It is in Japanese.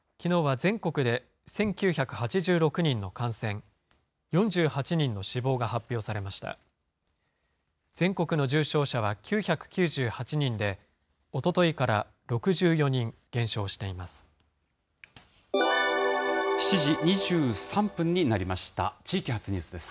全国の重症者は９９８人で、おとといから６４人減少しています。